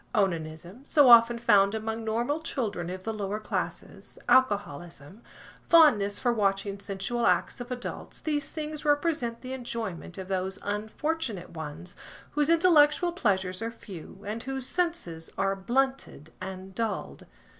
Onanism, so often found among normal children of the lower classes, alcoholism, fondness for watching sensual acts of adults–these things represent the enjoyment of those unfortunate ones whose intellectual pleasures are few, and whose senses are blunted and dulled.